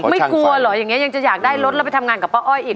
ไม่กลัวเหรออย่างนี้ยังจะอยากได้รถแล้วไปทำงานกับป้าอ้อยอีก